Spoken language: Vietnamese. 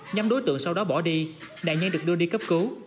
nhóm đối tượng sau đó bỏ đi nạn nhân được đưa đi cấp cứu